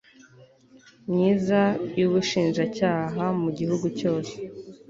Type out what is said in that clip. myiza y ubushinjacyaha mu gihugu cyose